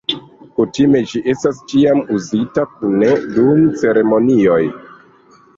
Kutime, ĝi estas ĉiam uzita kune dum ceremonioj.